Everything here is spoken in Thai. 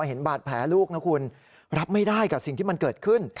เห็นบาดแผลลูกนะคุณรับไม่ได้กับสิ่งที่มันเกิดขึ้น